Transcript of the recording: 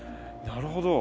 なるほど。